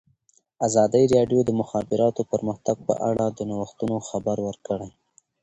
ازادي راډیو د د مخابراتو پرمختګ په اړه د نوښتونو خبر ورکړی.